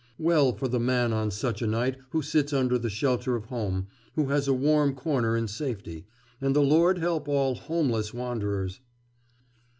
Well for the man on such a night who sits under the shelter of home, who has a warm corner in safety.... And the Lord help all homeless wanderers!